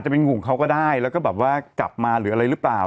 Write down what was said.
ผ้าเอาเสื้อมา